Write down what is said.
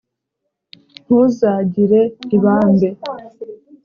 ntuzagire ibambe: